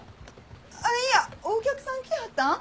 あいやお客さん来てはったん？